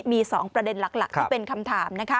มี๒ประเด็นหลักที่เป็นคำถามนะคะ